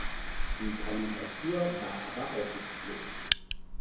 Die Kandidatur war aber aussichtslos.